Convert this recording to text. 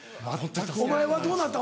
お前はどうなった？